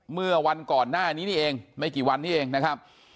เมื่อวันก่อนหน้านี้นี่เองไม่กี่วันนี้เองนะครับ